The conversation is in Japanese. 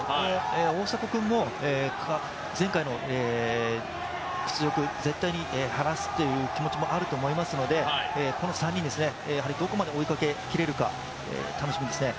大迫君も前回の屈辱を絶対に晴らすということがあると思うので、この３人、やはりどこまで追いかけきれるか、楽しみですね。